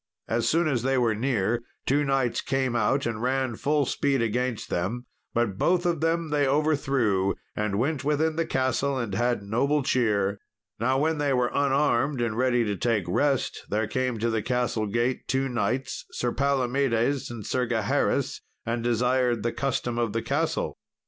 As soon as they were near, two knights came out and ran full speed against them; but both of them they overthrew, and went within the castle, and had noble cheer. Now, when they were unarmed and ready to take rest, there came to the castle gate two knights, Sir Palomedes and Sir Gaheris, and desired the custom of the castle.